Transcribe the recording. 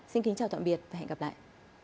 xin kính chào tạm biệt và hẹn gặp lại